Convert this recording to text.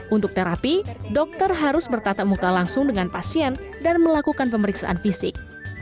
untuk terapi dokter harus bertatap muka langsung dengan pasien dan melakukan pemeriksaan fisik